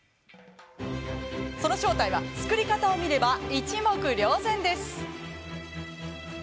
その正体は、作り方を見れば一目瞭然です。